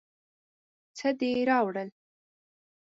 څه دې راوړل.